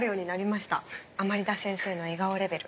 甘利田先生の笑顔レベル。